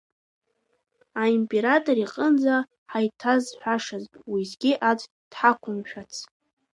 Аимператор иҟынӡа ҳаиҭазҳәашаз уеизгьы аӡә дҳақәымшәац.